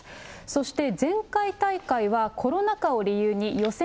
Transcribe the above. そして前回大会は、コロナ禍を理由に予選